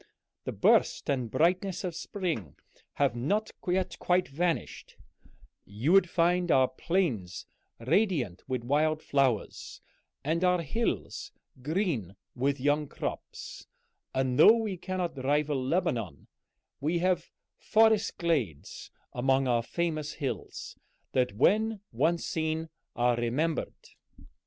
The burst and brightness of spring have not yet quite vanished; you would find our plains radiant with wild flowers, and our hills green with young crops, and though we cannot rival Lebanon, we have forest glades among our famous hills that when once seen are remembered."